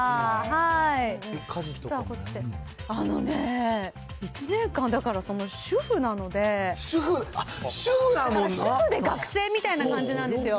あのね、１年間、主婦、あっ、主婦だもんな。主婦で学生みたいな感じなんですよ。